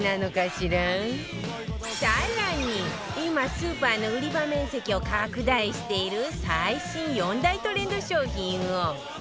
更に今スーパーの売り場面積を拡大している最新４大トレンド商品を